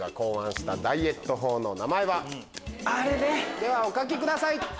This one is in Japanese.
ではお書きください。